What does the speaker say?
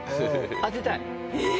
当てたい！